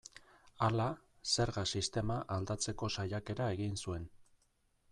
Hala, zerga sistema aldatzeko saiakera egin zuen.